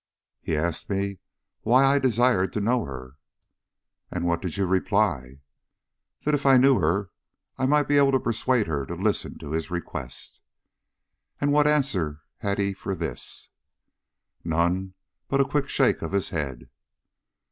"He asked me why I desired to know her." "And what did you reply?" "That if I knew her I might be able to persuade her to listen to his request." "And what answer had he for this?" "None but a quick shake of his head."